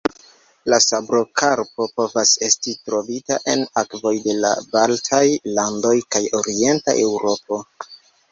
La sabrokarpo povas esti trovita en akvoj de la Baltaj landoj kaj Orienta Eŭropo.